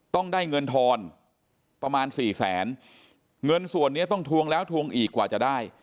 ต้องได้เงินทอนประมาณสี่แสนเงินส่วนนี้ต้องทวงแล้วทวงอีกกว่าจะได้